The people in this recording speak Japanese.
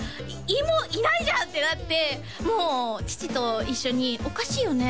芋いないじゃん！ってなってもう父と一緒に「おかしいよね